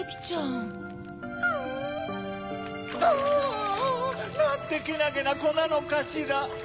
あ！なんてけなげなコなのかしら。